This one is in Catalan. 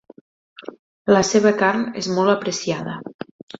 La seva carn és molt apreciada.